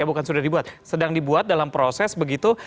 bukan sudah dibuat sedang dibuat dalam proses begitu